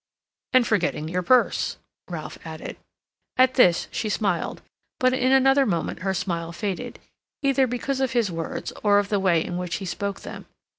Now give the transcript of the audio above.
'" "And forgetting your purse," Ralph added. At this she smiled, but in another moment her smile faded, either because of his words or of the way in which he spoke them.